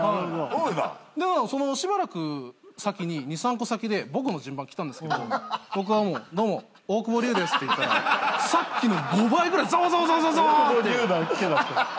でそのしばらく先に２３個先で僕の順番来たんですけど僕がもうどうも大久保龍ですって言ったらさっきの５倍ぐらいざわざわざわざわってなったんです。